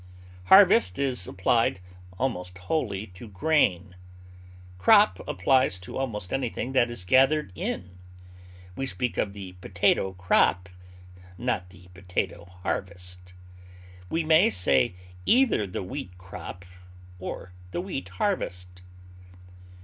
Harvest is applied almost wholly to grain; crop applies to almost anything that is gathered in; we speak of the potato crop, not the potato harvest; we may say either the wheat crop or the wheat harvest.